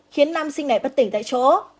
khiến nam sinh này bất tỉnh tại chỗ